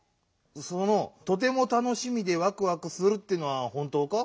その「とてもたのしみでわくわくする」っていうのはほんとうか？